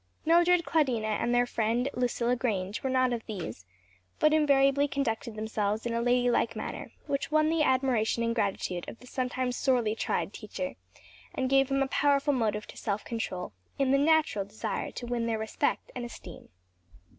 Mildred, Claudina and their friend Lucilla Grange were not of these; but invariably conducted themselves in a ladylike manner which won the admiration and gratitude of the sometimes sorely tried teacher, and gave him a powerful motive to self control, in the natural desire to win their respect and esteem.